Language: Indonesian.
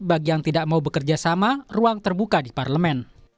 bagi yang tidak mau bekerja sama ruang terbuka di parlemen